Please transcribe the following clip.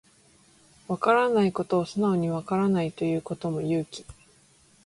わからないことを素直にわからないと言うことも勇気